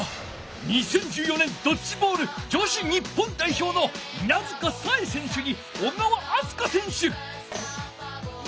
２０１４年ドッジボール女子日本代表の稲塚小絵選手に小川明日香選手！